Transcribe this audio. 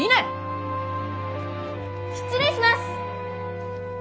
失礼します！